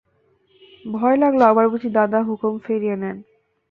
ভয় লাগল আবার বুঝি দাদা হুকুম ফিরিয়ে নেয়।